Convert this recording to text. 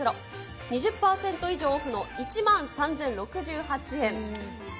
２０％以上オフの１万３０６８円。